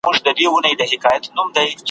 اوري له خیبره تر کنړه شپېلۍ څه وايي `